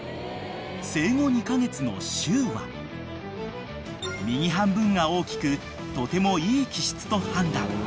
［生後２カ月のしゅうは右半分が大きくとてもいい気質と判断］